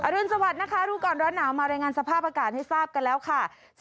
รุนสวัสดิ์นะคะรู้ก่อนร้อนหนาวมารายงานสภาพอากาศให้ทราบกันแล้วค่ะ